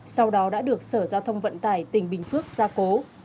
sau đó đã được sở giao thông vận tải tỉnh bình phước gia cố